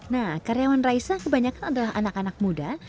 nah karyawan raisa kebanyakan adalah anak anak muda